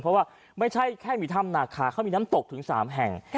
เพราะว่าไม่ใช่แค่มีถ้ำนาคาเขามีน้ำตกถึง๓แห่ง